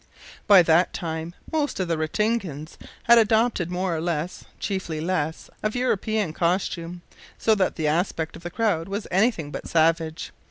By that time most of the Ratingans had adopted more or less, chiefly less, of European costume, so that the aspect of the crowd was anything but savage.